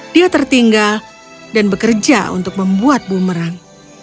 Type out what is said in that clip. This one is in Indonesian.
dia tertinggal dan bekerja untuk membuat bumerang